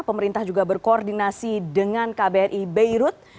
pemerintah juga berkoordinasi dengan kbri beirut